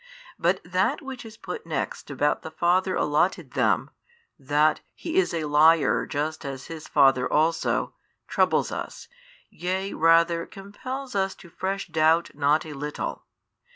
But that which is put next about the father allotted them, that he is a liar just as his father also, troubles us, yea rather compels us to fresh doubt2 not a little.